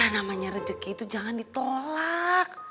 namanya rezeki itu jangan ditolak